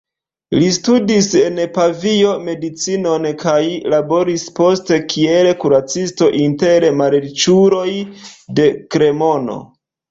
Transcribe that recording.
Li studis en Pavio medicinon kaj laboris poste kiel kuracisto inter malriĉuloj de Kremono.